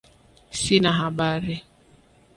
Sina habari